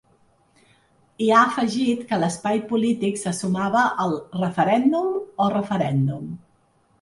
I ha afegit que l’espai polític se sumava al ‘referèndum o referèndum’.